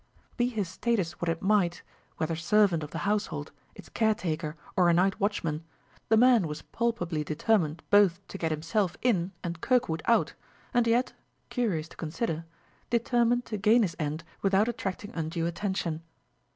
Be his status what it might, whether servant of the household, its caretaker, or a night watchman, the man was palpably determined both to get himself in and Kirkwood out, and yet (curious to consider) determined to gain his end without attracting undue attention.